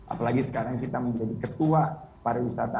apalagi sekarang kita menjadi ketua pariwisata